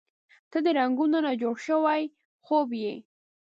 • ته د رنګونو نه جوړ شوی خوب یې.